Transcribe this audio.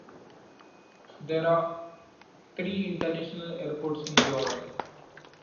There are three international airports in Jordan.